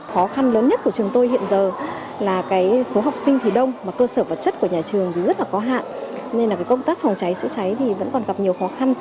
khó khăn lớn nhất của trường tôi hiện giờ là số học sinh thì đông cơ sở vật chất của nhà trường rất là có hạn nên công tác phòng cháy chữa cháy vẫn còn gặp nhiều khó khăn